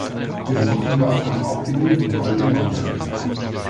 Wir machen das auch abhängig von all den anderen.